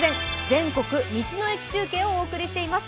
全国道の駅中継」をお送りしています。